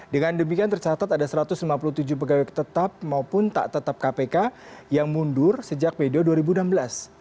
dengan demikian tercatat ada satu ratus lima puluh tujuh pegawai tetap maupun tak tetap kpk yang mundur sejak mei dua ribu enam belas